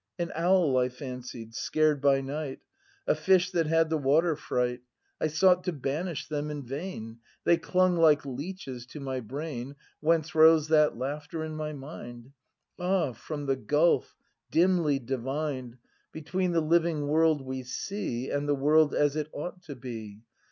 An Owl I fancied, scared by night; A Fish that had the water fright; ACT I] BRAND 87 I sought to banish them; — in vain, They clung hke leeches to my brain. Whence rose that laughter in my mind ? Ah, from the gulf, dimly divined. Between the living world we see And the world as it ought to be.